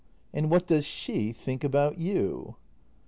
And what does she think about you